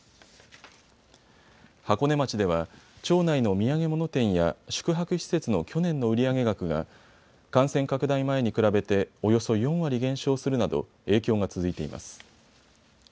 箱根町では町内の土産物店や宿泊施設の去年の売り上げ額が感染拡大前に比べておよそ４割減少するなど影響が続いています。